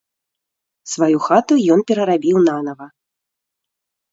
Сваю хату ён перарабіў нанава.